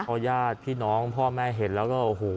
พอญาติพี่น้องพ่อแม่เห็นแล้วก็โอ้โห